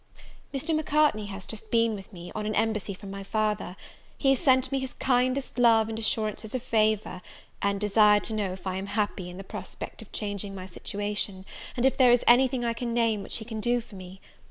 Mr. Macartney has just been with me, on an embassy from my father. He has sent me his kindest love and assurances of favour; and desired to know if I am happy in the prospect of changing my situation, and if there is any thing I can name which he can do for me.